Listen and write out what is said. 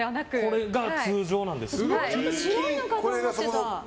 これが通常なんです。